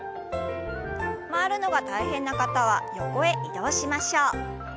回るのが大変な方は横へ移動しましょう。